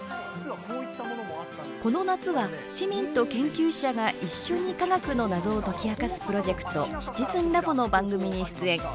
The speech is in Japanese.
この夏は、市民と研究者が一緒に科学の謎を解き明かすプロジェクト「シチズンラボ」の番組に出演。